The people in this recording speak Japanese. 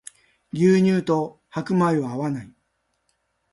牛乳と白米は合わない